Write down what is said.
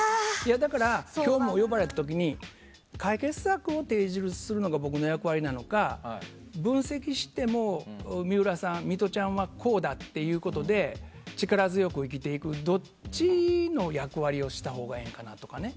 今日も、呼ばれた時に解決策を提示するのが僕の役割なのか分析してミトちゃんはこうだと言うことで力強く生きていくどっちの役割をしたほうがいいのかなって。